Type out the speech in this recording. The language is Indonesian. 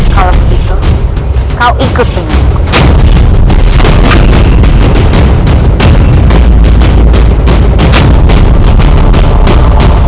kalau begitu kau ikut dengan aku